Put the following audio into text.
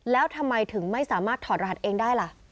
แล้วทำไมถึงไม่สามารถถอดรหัสเองได้ล่ะ